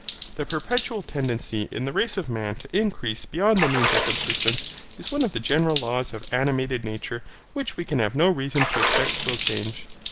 The perpetual tendency in the race of man to increase beyond the means of subsistence is one of the general laws of animated nature which we can have no reason to expect will change.